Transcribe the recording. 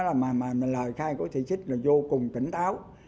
lời khai của thị trích là vô cùng kỉnh táo